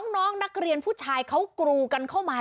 น้องนักเรียนผู้ชายเขากรูกันเข้ามา